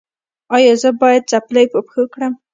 ایا زه باید څپلۍ په پښو کړم؟